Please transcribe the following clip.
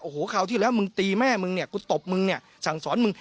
โอ้โหคราวที่แล้วมึงตีแม่มึงเนี่ยกูตบมึงเนี่ยสั่งสอนมึง